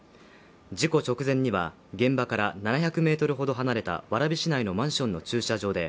事故直前には現場から７００ｍほど離れた蕨市内のマンションの駐車場で